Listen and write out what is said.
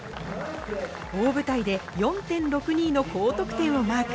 大舞台で４．６２の高得点をマーク。